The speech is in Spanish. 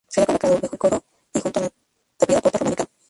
Se halla colocada bajo el coro y junto a la tapiada puerta románica.